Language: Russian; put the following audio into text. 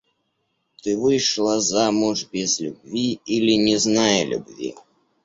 Ты вышла замуж без любви или не зная любви.